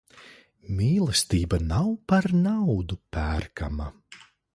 Mīlestība nav par naudu pērkama.